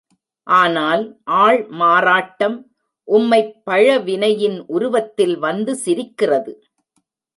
ஆனால், ஆள் மாறாட்டம் உம்மைப் பழவினையின் உருவத்தில் வந்து சிரிக்கிறது.